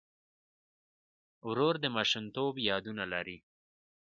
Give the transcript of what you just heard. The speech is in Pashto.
ورور د ماشومتوب یادونه لري.